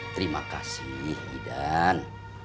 terima kasih idan